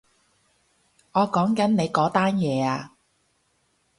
我講緊你嗰單嘢啊